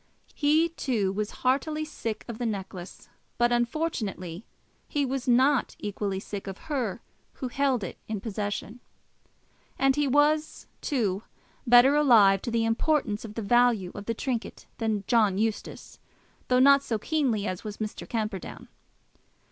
He, too, was heartily sick of the necklace; but unfortunately he was not equally sick of her who held it in possession. And he was, too, better alive to the importance of the value of the trinket than John Eustace, though not so keenly as was Mr. Camperdown.